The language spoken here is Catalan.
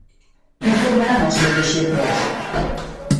Què formaran els seus deixebles?